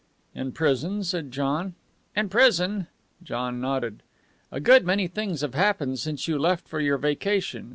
"In prison," said John. "In prison!" John nodded. "A good many things have happened since you left for your vacation.